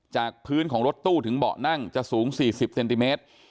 จากพื้นของรถตู้ถึงเบาะนั่งจะสูง๔๐เซนติเมตร